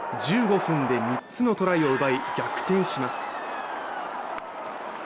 １５分で３つのトライを奪い逆転します。